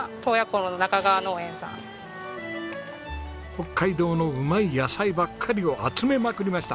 北海道のうまい野菜ばっかりを集めまくりました！